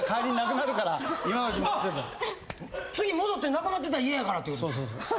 次戻ってなくなってたら嫌やからってことですか？